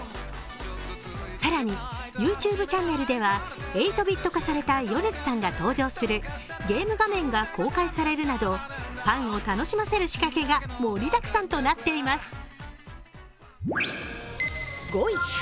更に、ＹｏｕＴｕｂｅチャンネルでは８ｂｉｔ化された米津さんが登場するゲーム画面が公開されるなど、ファンを楽しませる仕掛けが盛りだくさんとなっています。